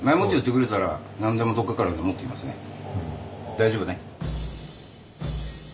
大丈夫ね。